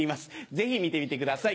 ぜひ見てみてください。